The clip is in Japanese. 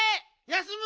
休む！